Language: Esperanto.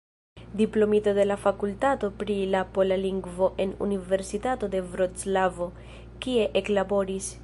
Diplomito de la fakultato pri la pola lingvo en Universitato de Vroclavo, kie eklaboris.